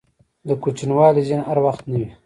دکوچنیوالي ذهن هر وخت نه وي.